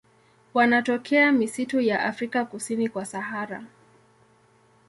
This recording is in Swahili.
Wanatokea misitu ya Afrika kusini kwa Sahara.